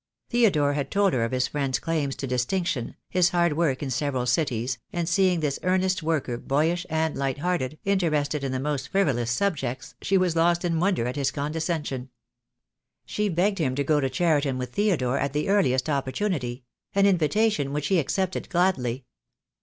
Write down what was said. Theodore had told her of his friend's claims to distinction, his hard work in several cities, and seeing this earnest worker boyish and light hearted, interested in the most frivolous subjects, she was lost in wonder at his condescension. She begged him to go to Cheriton with Theodore at the earliest opportunity — an invitation which he accepted gladly.